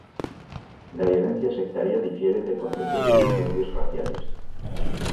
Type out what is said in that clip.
La violencia sectaria difiere del concepto de disturbios raciales.